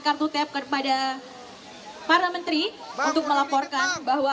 kartu tap kepada para menteri untuk melaporkan bahwa